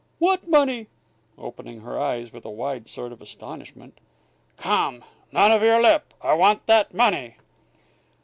"What money?" opening her eyes with a wide sort of astonishment. "Come! None of your lip. I want that money!"